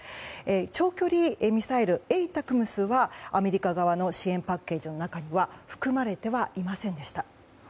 長距離ミサイル、ＡＴＡＣＭＳはアメリカ側の支援パッケージの中には含まれてはいませんでした。